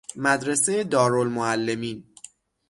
مدرسۀ دارالمعلمین